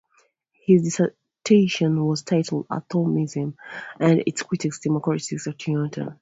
His dissertation was titled "Atomism and its Critics: Democritus to Newton".